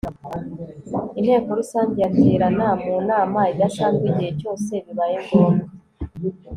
inteko rusange yaterana mu nama idasanzwe igihe cyose bibaye ngombwa